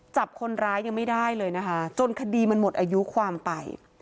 จับคนร้ายยังไม่ได้เลยนะคะจนคดีมันหมดอายุความไป